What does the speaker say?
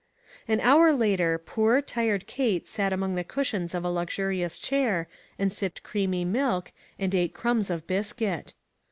An hour later poor, tired Kate sat among the cushions of a luxurious chair, and sipped creamy milk, and ate crumbs of biscuit.